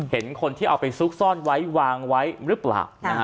เห็นคนที่เอาไปซุกซ่อนไว้วางไว้หรือเปล่า